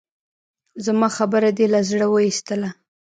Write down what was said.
زما خبره دې له زړه اوېستله؟